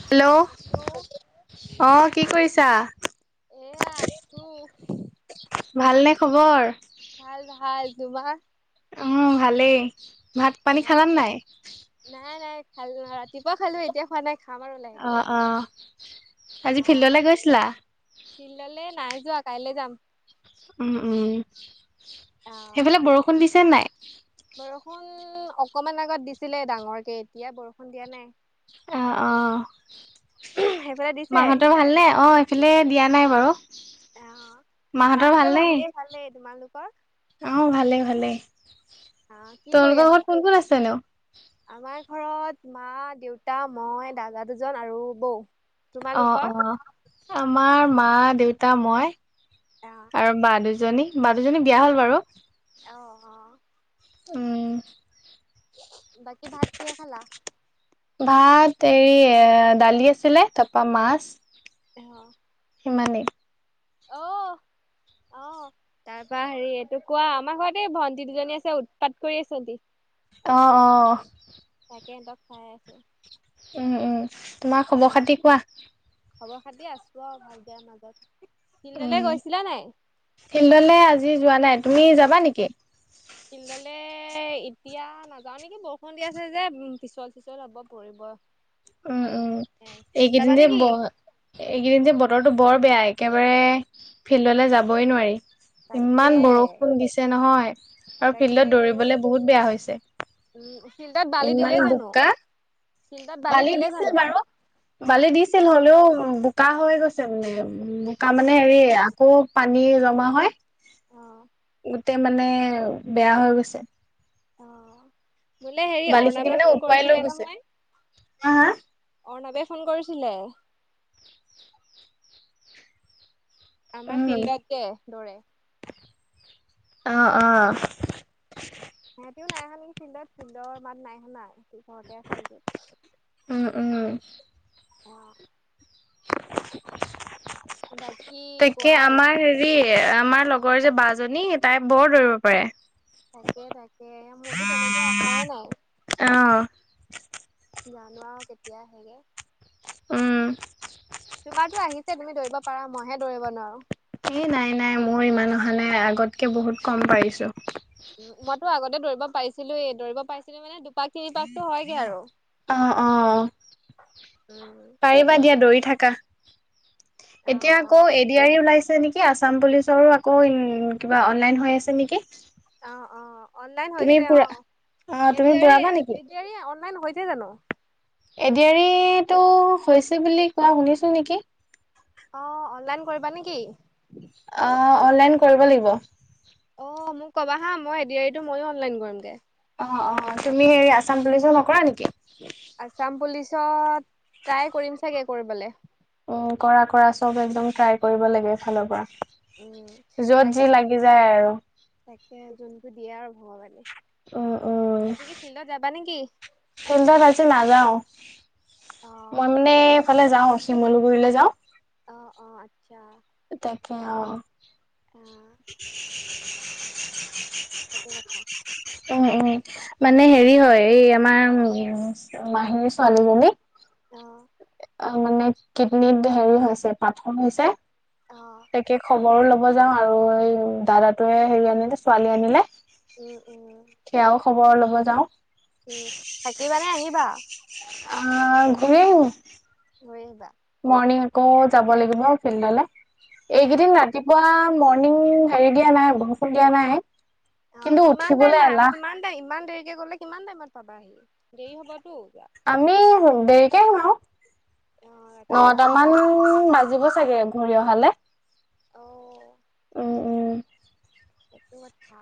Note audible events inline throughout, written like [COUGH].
Hello hello অঁ কি কৰিছা? এয়া আছো। ভালনে খবৰ? ভাল ভাল, তোমাৰ? উম' ভালেই, ভাত অ পানী খালানে নাই? নাই নাই খালো, ৰাতিপুৱা খালো এতিয়া খোৱা নাই। খাম আৰু লাহেকে অঁ অঁ আজি অ ফিল্ডলে গৈছিলা? ফিল্ডলে নাই যোৱা কাইলে যাম। উম' উম' অ সেইফালে বৰষুণ দিছে নে নাই? বৰষুণ অকমান আগত দিছিলে ডাঙৰকে এতিয়া বৰষুণ দিয়া নাই। অঁ অঁ সেইফালে দিছে মাহঁতৰ ভালনে? অঁয়' এইফালে দিয়া নাই বাৰু। আঁহ মাহঁতৰ ভালেই ভালেই, তোমালোকৰ? অঁ ভালেই ভালেই, অ কি কৰি তোমালোকৰ আছা ঘৰত কোন কোন আছে নো? আমাৰ ঘৰত মা, দেউতা, মই, দাদা দুজন আৰু বৌ। অঁ তোমালোকৰ অঁ আমাৰ মা, দেউতা, মই। অ আৰু বা দুজনী, বা দুজনী বিয়া হ'ল বাৰু। অঁহ'। উম। বাকি ভাত কিয়ে খালা? ভাত এৰি এ দালি আছিলে তাপা মাছ। অঁ'। সিমানেই। অঁ' অঁ, তাৰ পৰা হেৰি এইটো কোৱা আমাৰ ঘৰত এই ভণ্টি দুজনী আছে উৎপাত কৰি আছে এতি। অঁ অঁ! তাকে সিহঁতক ছাই আছোঁ। উমঁ উমঁ তোমাৰ খবৰ খাতি কোৱা? খবৰ খাতি আছোঁ আও ভাল বেয়া মাজত ফিল্ডলৈ গৈছিলা নাই। ফিল্ডলৈ আজি যোৱা নাই তুমি যাবা নেকি? ফিল্ডলে এতিয়া নাযাওঁ নেকি বৰষুণ দি আছে যে পিছল পিছল হ'ব পৰিব। উমঁ উমঁ যাবা এইকেইদিন নেকি ব- এইকেইদিন যে বতৰতো বৰ বেয়া একেবাৰে ফিল্ডলৈ যাবই নোৱাৰি। তাকে ইমান বৰষুণ দিছে নহয়। আৰু তাকে ফিল্ডত অ দৌৰিবলে বহুত বেয়া উম ফিল্ডত হৈছে বালি দিলে ইমান জানো বোকা। ফিল্ডত বালি দিলে দিছিল জানো বাৰু বালি অ দিছিল হলেও বোকা হৈ গৈছে। অ তাৰমানে হেৰি আকৌ পানী জমা হয়। অ ততে মানে বেয়া হৈ গৈছে। অঁ বোলে হেৰি বালি খিনি অৰ্ণাবে মানে ফোন উটুৱাই লৈ কৰিছিলে গৈছে। নহয়। অৰ্ণৱে ফোন কৰিছিলে। আমাৰ ফিল্ডত দে দৌৰে। অঁ অঁ সিহঁতেও নাই হানি ফিল্ডত ফিল্ডৰ মাত নাই হোনা - ঘতে আছিলোগে উম, উম। অঁ। বাকী কোৱা তাকে আৰু আমাৰ- হেৰি আমাৰ লগৰ যে বা জনী তাই বৰ দৌৰিব পাৰে। তাকে তাকে মোৰতো তেনেকে অহাইে নাই। অ', জানো আও কেতিয়া আহেগে। উমঁ- তোমাৰতো আহিছে তুমি দৌৰিব পাৰা মইহে দৌৰিব নোৱাৰো। এ নাই নাই মোৰ ইমান অহা নাই আগতকে বহুত কম পাৰিছোঁ। উমঁ মইতো আগতে দৌৰিব পাৰিছিলোয়েই দৌৰিব পাৰিছিলো মানে দুপাক তিনি পাকতো হয়গে আৰু। অঁ অঁ উম পাৰিবা দিয়া দৌৰি থাকা। অ এতিয়া অ আকৌ এডিয়াৰৰি ওলাইছে নেকি? কি আছাম পুলিচৰো আকৌ কিবা ইন অনলাইন হৈ আছে নেকি। অঁ অঁ অনলাইন তুমি হৈছে পুৰা অঁ অ', তুমি এডিয়াৰি পুৰাবা নেকি? এডিয়াৰি অনলাইন হৈছে জানো? এডিয়ৰিটো হৈছে বুলি কোৱা শুনিছোঁ নেকি? অঁ অনলাইন কৰিবা নেকি? অঁ অনলাইন কৰিব লাগিব। অঁ মোক কবা হা মই এডিৰিতটো ময়ো অনলাইন কৰিমগে। অঁ অঁ তুমি হেৰি আসাম পুলিচৰ নকৰা নেকি? আছাম পুলিচত ট্ৰাই কৰিম চাগে কৰিবলে। উমঁ কৰা কৰা চব একদম ট্ৰাই কৰিব লাগে এফালৰ উম পৰা। তাক য'ত যি লাগি যায় আৰু। তাকে যোনটো দিয়ে আৰু ভগৱানে, উম উম আজি কি ফিল্ডত যাবা নেকি? ফিল্ডত আজি নাযাওঁ, অ মই মানে এইফালে যাও শিমলুগুৰিলে যাওঁ। অঁ, অঁ আচ্ছা। তাকে অঁ। অ সেইটো কথা। উমঁ উমঁ মানে হেৰি হয় এই আমাৰ উমঁ মাহীৰ ছোৱালী জনী- অ'। অ', মানে কিডনিত হেৰি হৈছে পাথৰ হৈছে, অ তাকে খ বৰ ল'ব যাওঁ আৰু এই দাদাটোৱে হেৰি আনিলে ছোৱালী আনিলে। উম, উম। সেয়াও খবৰ ল'ব যাওঁ। উম, থাকিবা নে আহিবা? আ, ঘূৰি আহিম। ঘূৰি আহিব? মৰ্ণিং আকৌ যাব লাগিব ফিল্ডলৈ, অ এইকেদিন ৰাতিপুৱা ম ৰনিং হেৰি দিয়া নাই, বৰষুণ দিয়া নাই। অ', কিন্তু কিমান টাইম উঠিবলৈ মা, এলাহ কিমান টাইম ইমান দেৰিকে গ'লে কিমান টাইমত পাবাহি, দেৰি হ'বতো যোৱা। আমি দেৰিকে আহিম আও, অ ৰাতি হ'ব নটামান বাজ জিব চাগে ঘূৰি অহলে। অ'। উম, উম। সেইটো কথা।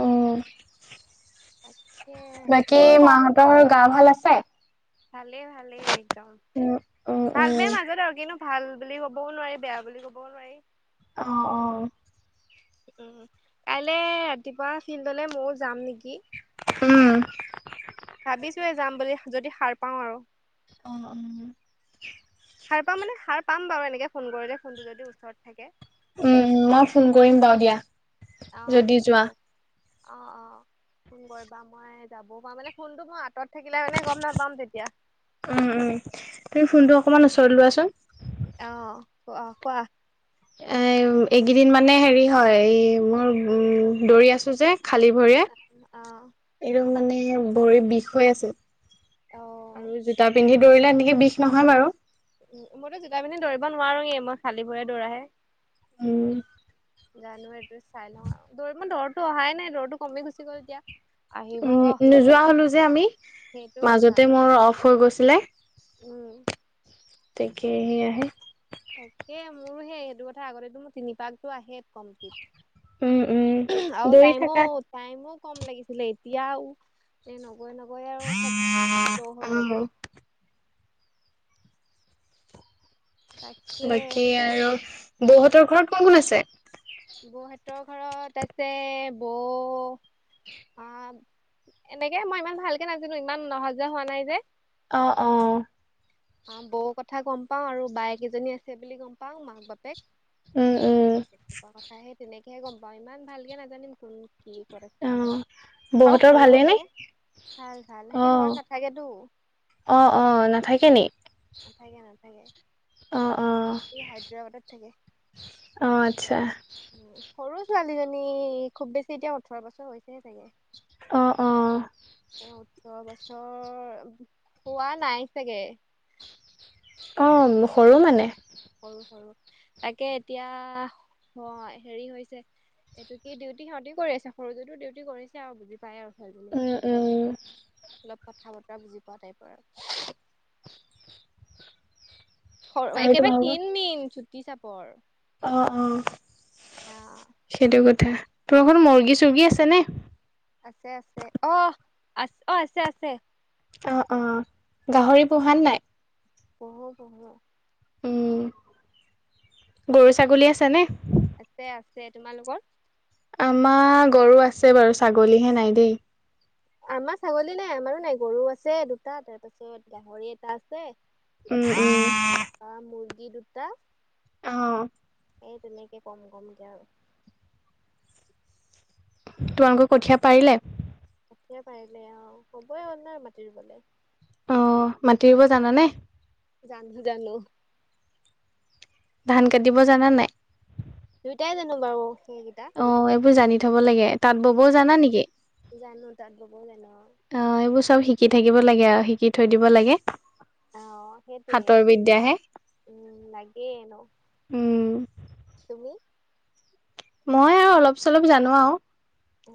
উম। [UNINTELLIGIBLE] বাকী মোৰো মাহঁতৰ গা ভাল আছে? ভালে ভালে একদম, উম উম ভাল উম বে মাজত আৰু কিনো ভাল বুলিও ক'বও নোৱাৰি, বেয়া বুলি ক'বও নোৱাৰি। অ', অ'। উম, কাইলে ৰাতিপুৱা ফিল্ডলে ময়ো যাম নেকি। উম। ভাবিছোহে যাম বুলি যদি সাৰ পাওঁ আৰু। অ', অ', উম। সাৰ পাম মানে সাৰ পাম বাৰু এনেকে ফোন কৰিলে ফোনটো যদি ওচৰত থাকে। উম মই ফোন কৰিম বাৰু দিয়া অ', যদি ফোন যোৱা। কৰে। অ', অ', ফোন কৰিবা, মই যাবও পাৰো মানে ফোনটো মই আঁতৰত থাকিলে মানে গ'ম নাপাম তেতিয়া। উম, উম, তুমি ফোনটো অকমান ওচৰত লোৱাচোন। অ', ক' কোৱা। এ এইকেদিন মানে হেৰি হয়, এই মই উম, দৌৰি আছো যে খালী ভৰিয়ে। অ'। একদম মানে ভৰি বিষ হৈ আছে, অ' আৰু জোতা পিন্ধি দৌৰিলে এনেকে বিষ নহয় বাৰু। উ, মইতো জোতা পিন্ধি দৌৰিব নোৱাৰোয়ে, মই খালী ভৰিয়ে দৌৰাহে। উম। জানো এটো চাই লওঁ আৰু দৰ মোৰ দৌৰটো অহাই নাই দৌৰটো কমি গুচি গ'ল এতিয়া। উম, আহিব নোযোৱা হ'লো যে আমি, সেইটো কথা মাজতে আকৌ মোৰ অ'ফ হৈ গৈছিলে। উম। তাকে সেইয়া হে। তাকে মোৰো সেই সেইটো কথা আগতেতো মোৰ তিনি পাকতো আহেই কম উম উম প্লিত আৰু দৌৰি টাইমো থাকা টাইমো ক'ম লাগিছিলে এতিয়াও এ নগৈ নগৈ আৰু চব ল' হৈ গ'ল। অ তাকে বাকী আৰু বৌহঁতৰ ঘৰত কোন, কোন আছে? বৌহতৰ ঘৰত আছে বৌ আ, এনেকে মই ইমান ভালকে নাজানো ইমান অহা জোৱা হোৱা নাই যে। অ' অ' অ' বৌ কথা গম পাও আৰু বায়েক কেইজনী আছে বুলি গম পাওঁ মাক, বাপেক উম উম সেই তেনেকুৱা কথা সেই তেনেকেহে গম পাওঁ ইমান ভালকে নাজানিম কোন কি ক'ত আছে অ বৌহঁতৰ অ'সৰু ভালেই নে যে ভাল, ভাল সেহেতি ঘৰত নাথাকেতো। অ'অ' নাথাকে নি? নাথাকে, নাথাকে। অ' অ' এই হায়দৰাবাদত থাকে। অ আচ্ছা উম, সৰু ছোৱালীজনী খুব বেছি এতিয়া ওঠৰ বছৰ হৈছেহে চাগে। অ'অ' এ ওঠৰ বছৰ পোৱা নাই চাগে। অ' সৰু মানে? সৰু, সৰু তাকে এতিয়া মই হেৰি হৈছে এইটো কি ডিউটি সিহঁতিও কৰিছে সৰু জনিও ডিউটি কৰিছে আৰু বুজি পাই আৰু ছোৱালীজনী উম উম অলপ কথা-বতৰা বুজি পোৱা টাইপৰ আ সৰ আৰুটো একেবাৰে ভাল ক্ষীণ মিন চুটি চাপৰ। অ' অ' আহ সেইটো কথা তোমাৰ ঘৰত মুৰ্গী-চুৰ্গী আছে নে? আছে, আছে অ' আছ অ' আছে, আছে। অ' অ' গাহৰি পোহা নে নাই? পুহো, পুহো। উম, গৰু, ছাগলী আছেনে? আছে, আছে তোমালোকৰ? আমাৰ গৰু আছে বাৰু ছাগলীহে নাই দেই। আমাৰ ছাগলী নাই আমাৰো নাই গৰু আছে দুটা তাৰপিছত গাহৰি এটা আছে উম, উম। তাপা মুৰ্গী দুটা উম এই তেনেকে কম, কমকে আৰু। তোমালোকৰ কঠীয়া পাৰিলে? কঠীয়া পাৰিলে অ' ক'বই [UNINTELLIGIBLE] মাটি ৰুবলে। অ'মাটি ৰুব জানানে? জান [UNINTELLIGIBLE] জানো। ধান কাটিব জানা নে নাই? দুইটাই জানো বাৰু [UNINTELLIGIBLE] অ' এইবোৰ জানি থব লাগে তাত বোবও উম জানা নেকি? জানো তাঁত ববও জানো অ'এইবোৰ চব শিকি থাকিব লাগে আৰু শিকি থৈ দিব লাগে। অ' সেইটোৱে হাতৰ বিদ্যাহে উম, লাগেই ন'। উম, তুমি? মই এয়া অলপ-চলপ জানো আও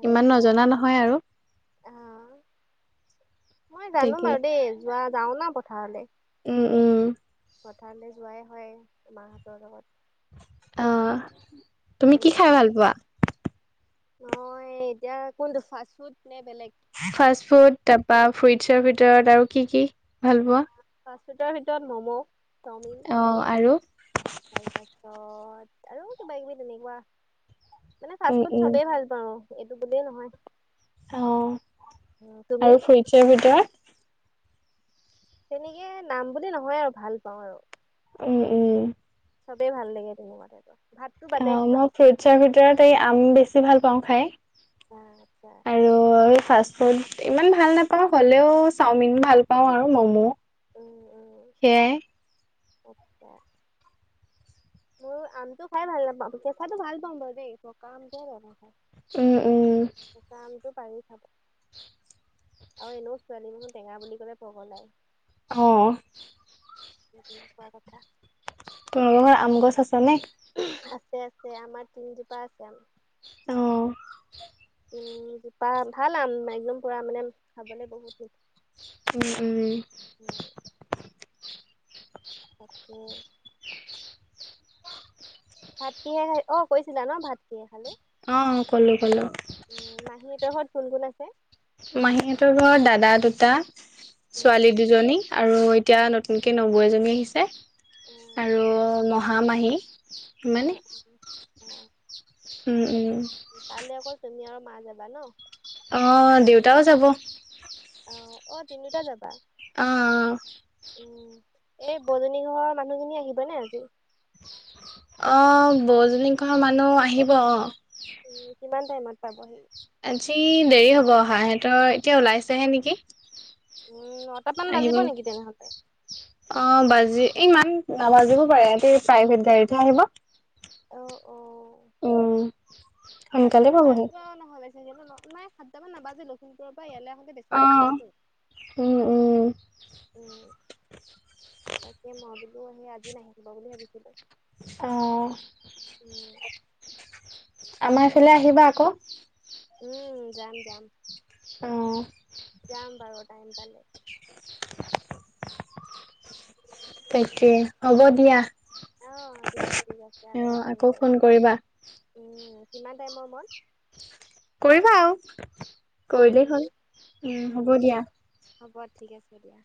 ইমান নজনা নহয় আৰু। অ'মই জানো তাকে বাৰু দেই যোৱা যাওঁ না পথাৰলে। উম, উম। পথাৰলে যোৱাই হয় মাহঁতৰ লগত। অ' তুমি কি খাই তেনেকে ভাল আৰু পোৱা? মই এতিয়া কোনটো ফাষ্ট ফুড নে বেলেগ? ফাষ্ট ফুড, তাৰপা আও ফ্ৰুইটছৰ ভিতৰত আৰু কি কি? ভাল আ, পোৱা ফাষ্ট ফুডৰ ভিতৰত ম'ম', চাওমিন। অ আৰু তাৰ পাছত আৰু কিবা কিবি তেনেকুৱা। মানে ফাষ্ট উম ফুড উম ছবেই ভাল পাওঁ, এইটো বুলিয়ে নহয়। অ', উম, তুমি আৰু ফ্ৰুইটছৰ ভিতৰত? তেনেকে নাম বুলি নহয় আৰু ভাল পাওঁ আৰু। উম, উম। চবেই ভাল লাগে তেনেকুৱা টাইপৰ। ভাতটো অ', বাদে মই ফ্ৰুটছৰ ভিতৰত এই আম বেছি ভাল পাওঁ খাই। অ', আছা। আৰু এ, ফাষ্ট ফুড ইমান ভাল নাপাওঁ হ'লেও চাওমিন ভাল পাওঁ আৰু ম'ম'। সেয়াই। আত্চা। মোৰ আমটো খাই ভাল নাপাওঁ কেঁচাটো ভাল পাম বাৰু দেই পকা আমটোহে বেয়া পাওঁ খাই। উম, উম। কেচা আমটো পাৰি খাব। আৰু এনেও ছোৱালী মানুহ টেঙা বুলি ক'লে পগলাই। অ'। এই তেনেকুৱা কথা। [UNINTELLIGIBLE] আম গছ আছ নে? আছে, আছে আমাৰ তিনজোপা আছে আম। অ'। উম, পা ভাল আম একদম পুৰা মানে খাবলে বহুত হেৰী। উম, উম। উম। তাকে। ভাত কিহে খাই অ', কৈছিলা ন ভাত কিহে খালোঁ। অ', অ', ক'লো ক'লো। উম, মাহী হঁতৰ ঘৰত কোন, কোন আছে? মাহীহঁতৰ ঘৰত দাদা দুটা, উম ছোৱালী দুজনী। আৰু এতিয়া নতুনকে নবৌ এজনী আহিছে, আৰু আচ্ছা মোহা মাহী। সিমানে উম [UNINTELLIGIBLE] উম, উম। তালে অকৌ তুমি আৰু মা যাবা ন? অ', দেউতাও যাব। অ', অ', তিনিওটা যাবা? অ', অ'। উম, এই বৌ জনী ঘৰৰ মানুহজনী আহিবনে আজি। অ', বৌজনীঘৰৰ মানুহ আহিব অ'। উম, কিমান টাইমত পাবহি? আজি দেৰি হ'ব অহা সিহঁতৰ এতিয়া ওলাইছেহে নেকি। উম নটামান আহিব। বাজিব নেকি তেনেহ'লে অ', বাজি ইমান নাবাজিব পাৰে, এহেতি প্ৰাইভেট গাড়ীতহে আহিব। অ', অ'। উম সোনকালে সাতটামান পাবহি বাজিব নহ'লে। [UNINTELLIGIBLE] নাই সাতটামান নাবাজে লখিমপুৰৰ পৰা ইয়ালে আহোতে বেছি অ তাইম নলয়তো। উম, উম। উম, তাকে মই বুলো সি আজি নাহিব বুলি ভাবিছিলো। অ'। উম। আমাৰ এইফালে আহিবা আকৌ। উম, যাম যাম। অ'। যাম বাৰু টাইম পালে। উম তাকে হ'ব দিয়া, অ দিয়া ঠিক আছে উম, আকৌ ফোন কৰিম কৰিবা। উম, কিমান টাইমৰ মন? কৰিবা আৰু উম কৰিলেই হ'ল, উম, হ'ব দিয়া। হ'ব ঠিক আছে দিয়া।